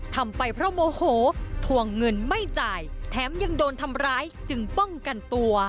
ทำไปเพราะโมโหทวงเงินไม่จ่ายแถมยังโดนทำร้ายจึงป้องกันตัว